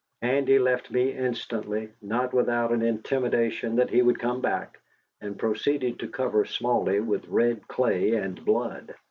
Andy left me instantly, not without an intimation that he would come back, and proceeded to cover Smally with red clay and blood.